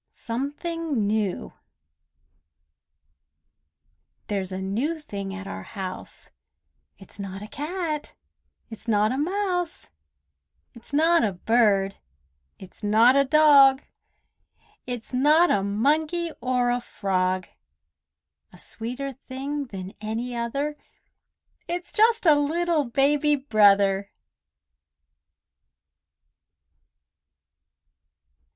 SOMETHING NEW There's a new thing at our house: It's not a cat; it's not a mouse; It's not a bird; it's not a dog; It's not a monkey or a frog; A sweeter thing than any other; It's just a little Baby Brother!